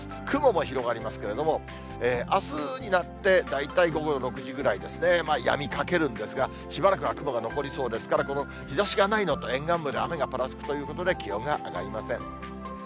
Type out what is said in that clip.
雲も広がりますけれども、あすになって、大体午後６時ぐらいですね、やみかけるんですが、しばらくは雲が残りそうですから、この日ざしがないのと、沿岸部で雨がぱらつくということで、気温が上がりません。